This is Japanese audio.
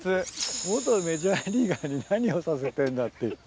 元メジャーリーガーに何をさせてんだっていう。